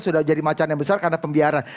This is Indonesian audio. sudah jadi macan yang besar karena pembiaran